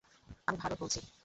আমি ভারত বলছি।